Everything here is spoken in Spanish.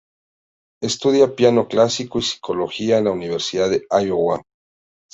Estudia piano clásico y psicología en la Universidad de Iowa.